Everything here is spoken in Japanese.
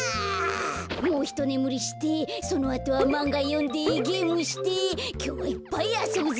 もうひとねむりしてそのあとはまんがよんでゲームしてきょうはいっぱいあそぶぞ！